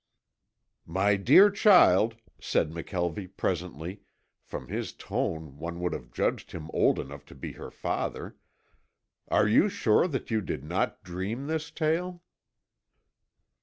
"My dear child," said McKelvie presently (from his tone one would have judged him old enough to be her father), "are you sure that you did not dream this tale?"